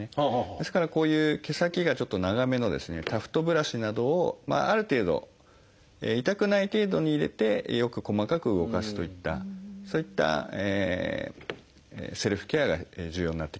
ですからこういう毛先がちょっと長めのですねタフトブラシなどをある程度痛くない程度に入れてよく細かく動かすといったそういったセルフケアが重要になってきます。